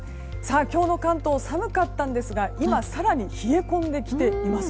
今日の関東寒かったんですが今、更に冷え込んできています。